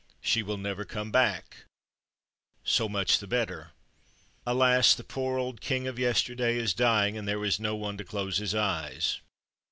She will never come back so much the better! Alas! the poor old King of yesterday is dying, and there is no one to close his eyes.